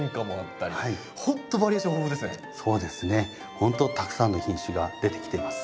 ほんとたくさんの品種が出てきてます。